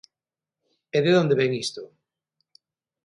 ¿E de onde vén isto?